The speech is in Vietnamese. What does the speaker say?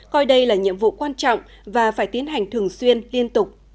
coi đây là nhiệm vụ quan trọng và phải tiến hành thường xuyên liên tục